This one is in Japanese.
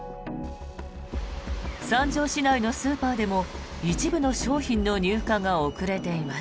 三条市内のスーパーでも一部の商品の入荷が遅れています。